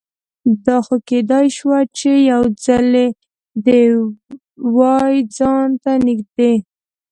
دا خو کیدای شوه چې یوځلې دې وای ځان ته نږدې